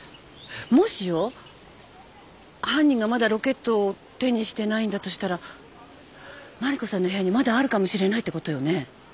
もしよ犯人がまだロケットを手にしてないんだとしたら麻里子さんの部屋にまだあるかもしれないってことよね。